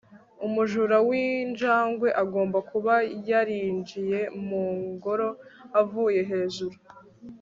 umujura w'injangwe agomba kuba yarinjiye mu ngoro avuye hejuru